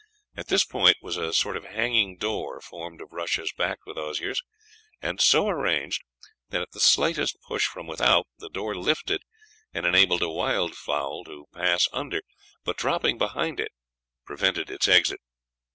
At this point was a sort of hanging door formed of rushes backed with osiers, and so arranged that at the slightest push from without the door lifted and enabled a wild fowl to pass under, but dropping behind it prevented its exit.